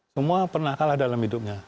semua pernah kalah dalam hidupnya